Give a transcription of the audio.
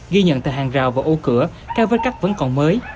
ghi nhận từ hàng rào và ô cửa cao vết cắt vẫn còn mới